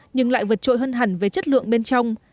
nhưng lại vượt trội hơn hẳn về chất lượng bên trong